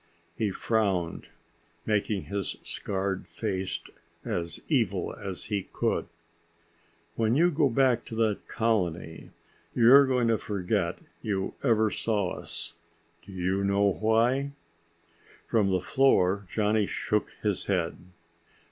He frowned, making his scarred face as evil as he could. "When you go back to that colony, you're going to forget you ever saw us. Do you know why?" From the floor Johnny shook his head.